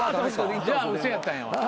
じゃあ嘘やったんやわ。